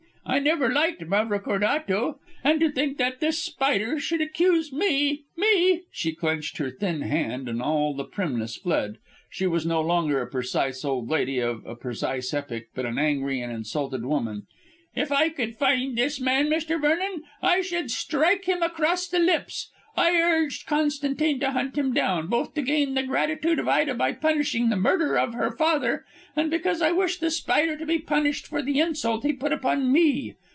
I never liked Mavrocordato, and to think that this Spider should accuse me me " She clenched her thin hand and all the primness fled. She was no longer a precise old lady of a precise epoch, but an angry and insulted woman. "If I could find this man, Mr. Vernon, I should strike him across the lips. I urged Constantine to hunt him down, both to gain the gratitude of Ida by punishing the murderer of her father and because I wish The Spider to be punished for the insult he put upon me.